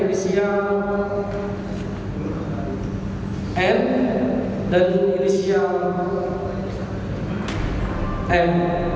inisial n dan inisial m